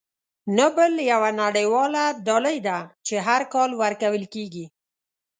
نوبل یوه نړیواله ډالۍ ده چې هر کال ورکول کیږي.